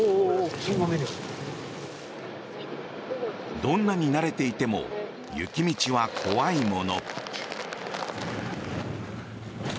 どんなに慣れていても雪道は怖いもの。